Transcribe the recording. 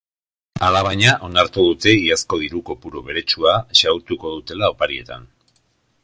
Alabaina, onartu dute iazko diru kopuru beretsua xahutuko dutela oparietan.